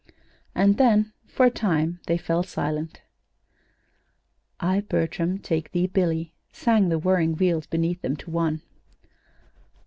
And then, for a time, they fell silent. "'I, Bertram, take thee, Billy,'" sang the whirring wheels beneath them, to one.